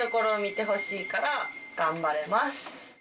から頑張れます。